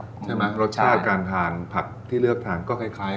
ใช่ไหมรสชาติการทานผักที่เลือกทานก็คล้าย